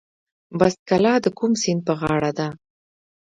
بست کلا د کوم سیند په غاړه ده؟